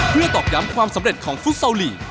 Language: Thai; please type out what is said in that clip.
เพื่อตอกย้ำความสำเร็จของฟุตซอลลีก